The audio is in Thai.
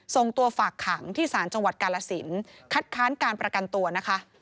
ส่งตัวฝากขังที่ศาลจังหวัดกาลสินคัดค้านการประกันตัวนะคะ